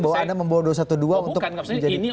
bahwa anda membawa dua ratus dua belas untuk oh bukan ini